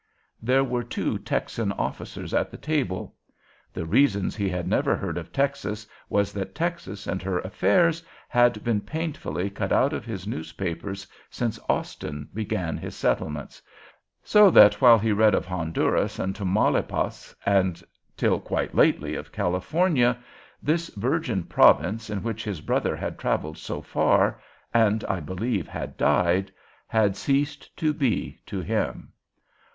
There were two Texan officers at the table. The reason he had never heard of Texas was that Texas and her affairs had been painfully cut out of his newspapers since Austin began his settlements; so that, while he read of Honduras and Tamaulipas, and, till quite lately, of California, this virgin province, in which his brother had travelled so far, and, I believe, had died, had ceased to be to him.